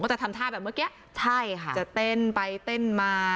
จะทำท่าแบบเมื่อกี้ใช่ค่ะจะเต้นไปเต้นมา